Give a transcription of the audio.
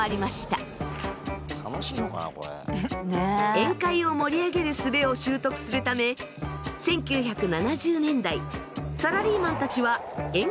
宴会を盛り上げるすべを習得するため１９７０年代サラリーマンたちは宴会芸教室に通いました。